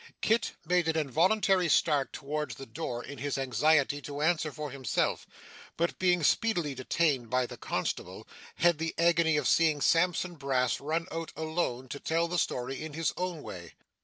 Kit made an involuntary start towards the door in his anxiety to answer for himself, but being speedily detained by the constable, had the agony of seeing Sampson Brass run out alone to tell the story in his own way.